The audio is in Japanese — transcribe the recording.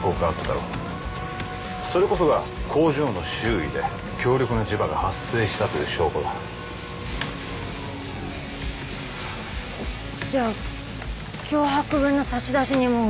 だろそれこそが工場の周囲で強力な磁場が発生したという証拠だじゃあ脅迫文の差出人も梅屋敷？